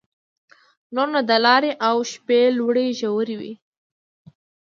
نور نو د لارې او شپې لوړې ژورې وې.